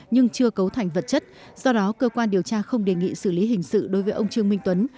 nhưng chưa cấu thành vật chất do đó cơ quan điều tra không đề nghị xử lý hình sự đối với ông trương minh tuấn